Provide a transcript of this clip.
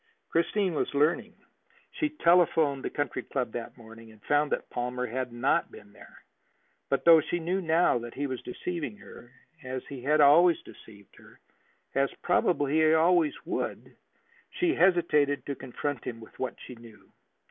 Christine was learning. She telephoned the Country Club that morning, and found that Palmer had not been there. But, although she knew now that he was deceiving her, as he always had deceived her, as probably he always would, she hesitated to confront him with what she knew.